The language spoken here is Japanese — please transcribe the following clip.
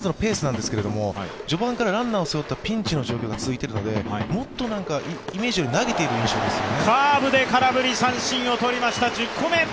まずまずのペースなんですが、序盤からランナーを背負ったピンチの状況が続いているのでもっとイメージより投げている感じですね。